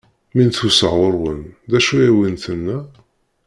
Mi n-tusa ɣur-wen, d acu i awen-tenna?